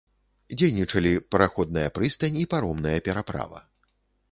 Дзейнічалі параходная прыстань і паромная пераправа.